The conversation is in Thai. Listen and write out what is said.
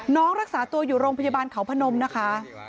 รักษาตัวอยู่โรงพยาบาลเขาพนมนะคะ